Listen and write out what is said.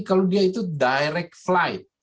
kalau dia itu direct flight